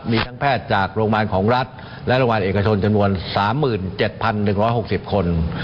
มีทั้งแพทย์จากโรงพยาบาลของรัฐและโรงพยาบาลเอกชนจำนวน๓๗๑๖๐คน